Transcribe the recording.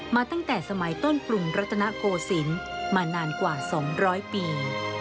มาตั้งแต่สมัยต้นกลุ่มรัตนโกศิณมานานกว่าสองร้อยปี